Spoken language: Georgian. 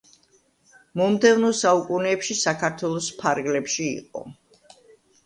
მომდევნო საუკუნეებში საქართველოს ფარგლებში იყო.